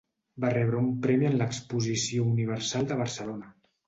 Va rebre un premi en l'Exposició Universal de Barcelona.